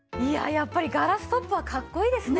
やっぱりガラストップはかっこいいですね。